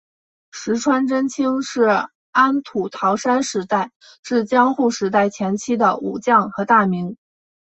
石川贞清是安土桃山时代至江户时代前期的武将和大名。